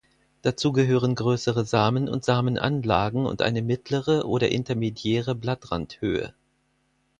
Dazu gehören größere Samen und Samenanlagen und eine mittlere oder intermediäre Blattrandhöhe.